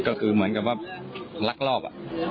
ก็คือเหมือนกับว่าลักลอบ